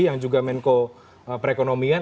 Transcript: yang juga menko perekonomian